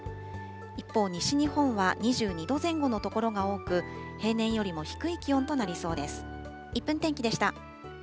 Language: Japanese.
一方、西日本は２２度前後の所が多く、平年よりも低い気温となりそうです。